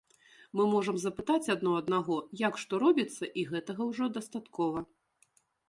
Мы можам запытаць адно аднаго, як што робіцца, і гэтага ўжо дастаткова.